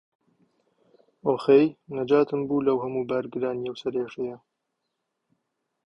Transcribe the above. ئۆخەی، نەجاتم بوو لەو هەموو بارگرانی و سەرێشەیە.